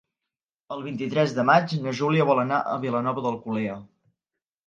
El vint-i-tres de maig na Júlia vol anar a Vilanova d'Alcolea.